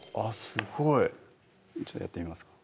すごいじゃあやってみますか？